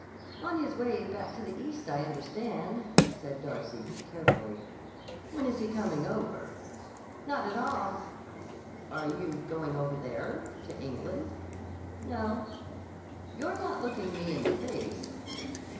"On his way back to the East, I understand," said Darcy carefully. "When is he coming over?" "Not at all." "Are you going over there—to England?" "No." "You're not looking me in the face."